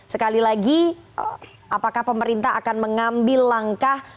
sekali lagi apakah pemerintah akan mengambil langkah